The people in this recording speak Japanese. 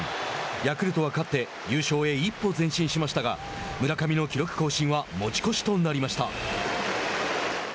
ヤクルトは勝って優勝へ一歩前進しましたが村上の記録更新は持ち越しとなりました。